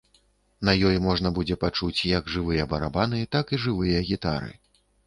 На ёй можна будзе пачуць як жывыя барабаны, так і жывыя гітары.